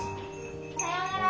さようなら。